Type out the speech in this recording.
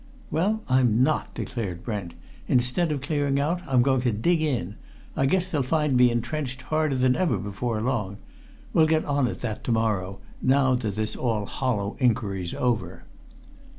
"Well, I'm not!" declared Brent. "Instead of clearing out, I'm going to dig in. I guess they'll find me entrenched harder than ever before long. We'll get on at that to morrow, now that this all hollow inquiry's over."